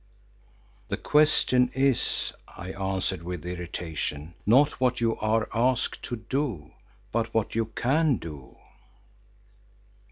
"The question is," I answered with irritation, "not what you are asked to do, but what you can do."